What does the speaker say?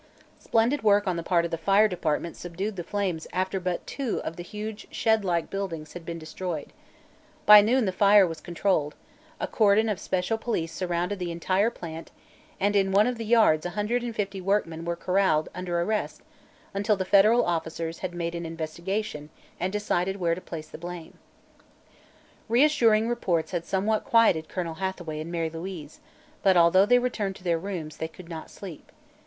Splendid work on the part of the fire department subdued the flames after but two of the huge shed like buildings had been destroyed. By noon the fire was controlled; a cordon of special police surrounded the entire plant and in one of the yards a hundred and fifty workmen were corralled under arrest until the federal officers had made an investigation and decided where to place the blame. Reassuring reports had somewhat quieted Colonel Hathaway and Mary Louise, but although they returned to their rooms, they could not sleep.